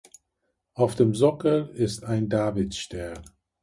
Auf dem Sockel ist ein Davidstern.